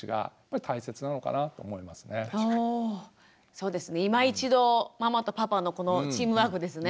そうですね今一度ママとパパのこのチームワークですね。